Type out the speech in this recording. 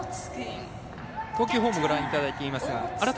投球フォームをご覧いただいています。